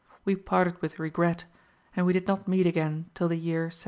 We parted with regret, and we did not meet again till the year 1792.